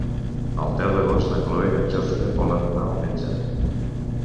El deu d'agost na Cloè i en Jofre volen anar al metge.